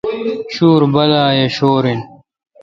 شویر بالہ اؘ شور این۔